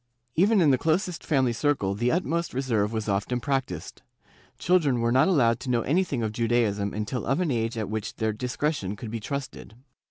Even in the closest family circle the ut most reserve was often practised. Children were not allowed to know anything of Judaism until of an age at which their discre tion could be trusted.